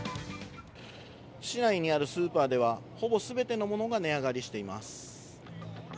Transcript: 市内にあるスーパーではほぼ全てのものが値上がりしています。